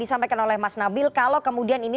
disampaikan oleh mas nabil kalau kemudian ini